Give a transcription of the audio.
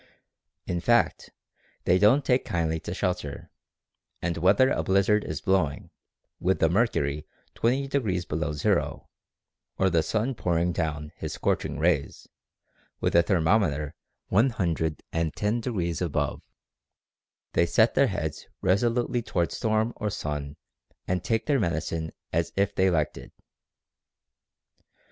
In fact they don't take kindly to shelter, and whether a blizzard is blowing, with the mercury 20 degrees below zero, or the sun pouring down his scorching rays, with the thermometer 110 degrees above, they set their heads resolutely toward storm or sun and take their medicine as if they liked it.